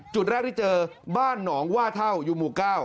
จุดแรกที่เจอบ้านหนองว่าเท่าอยู่หมู่๙